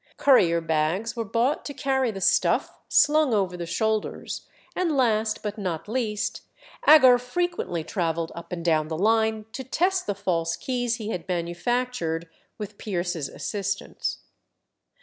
Courier bags were bought to carry the "stuff" slung over the shoulders; and last, but not least, Agar frequently travelled up and down the line to test the false keys he had manufactured with Pierce's assistance.